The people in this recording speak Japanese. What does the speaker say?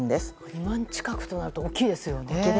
２万近くとなると大きいですよね。